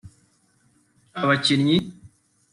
abakinnyi